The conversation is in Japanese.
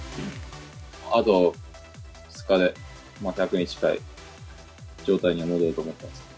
あと２日で１００に近い状態に戻ると思ってます。